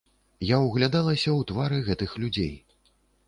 Я ўглядалася ў твары гэтых людзей.